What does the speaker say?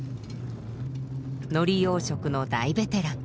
のり養殖の大ベテラン。